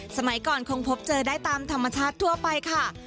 สมัยก่อนคงพบเจอได้ตามธรรมชาติทั่วไปค่ะ